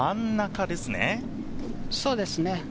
そうですね。